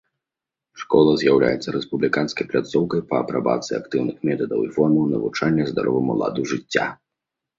Школа з'яўляецца рэспубліканскай пляцоўкай па апрабацыі актыўных метадаў і формаў навучання здароваму ладу жыцця.